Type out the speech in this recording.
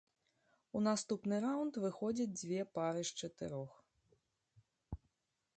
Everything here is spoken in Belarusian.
У наступны раўнд выходзяць дзве пары з чатырох.